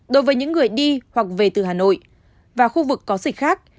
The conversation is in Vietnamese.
đối với những người đi hoặc về từ hà nội và khu vực có dịch khác